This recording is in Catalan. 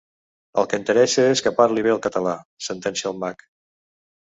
El que interessa és que parli bé el català —sentencia el mag.